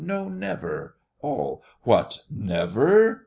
No, never! ALL. What, never!